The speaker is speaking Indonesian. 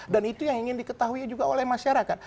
dan itu yang ingin diketahui juga oleh masyarakat